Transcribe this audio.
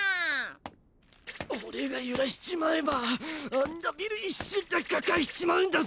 俺が揺らしちまえばあんなビル一瞬で瓦解しちまうんだぞ！